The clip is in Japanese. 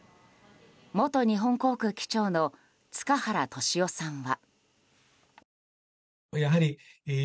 元日本航空機長の塚原利夫さんは。